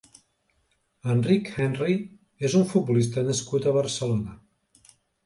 Enric Henry és un futbolista nascut a Barcelona.